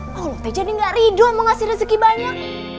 mauloh teh jadi gak ridho mau ngasih rezeki banyak